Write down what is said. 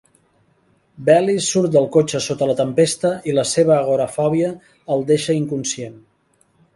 Baley surt del cotxe sota la tempesta i la seva agorafòbia el deixa inconscient.